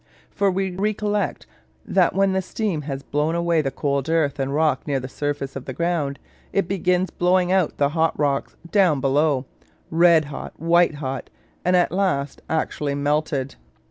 For recollect, that when the steam has blown away the cold earth and rock near the surface of the ground, it begins blowing out the hot rocks down below, red hot, white hot, and at last actually melted.